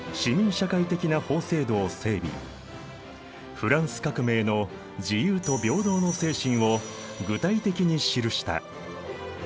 フランス革命の自由と平等の精神を具体的に記した。